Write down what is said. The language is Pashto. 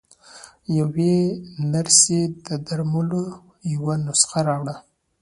يوې نرسې د درملو يوه نسخه راوړه.